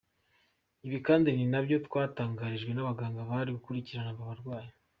Ibi kandi ni nabyo twatangarijwe n’abaganga bari gukurikirana aba barwayi.